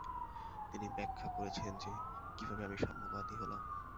তিনি ব্যাখ্যা করেছেন যে, "কিভাবে আমি সাম্যবাদী হলাম"।